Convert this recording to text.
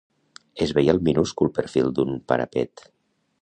Es veia el minúscul perfil d'un parapet